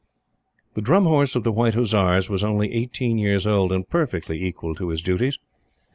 The Drum Horse of the White Hussars was only eighteen years old, and perfectly equal to his duties.